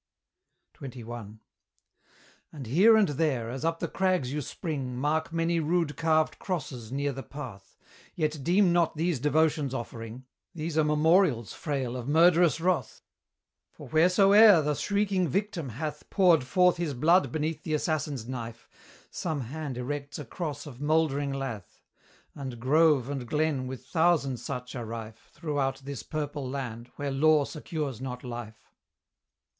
XXI. And here and there, as up the crags you spring, Mark many rude carved crosses near the path; Yet deem not these devotion's offering These are memorials frail of murderous wrath; For wheresoe'er the shrieking victim hath Poured forth his blood beneath the assassin's knife, Some hand erects a cross of mouldering lath; And grove and glen with thousand such are rife Throughout this purple land, where law secures not life!